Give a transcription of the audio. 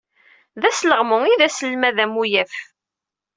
D asleɣmu i d aselmad amuyaf.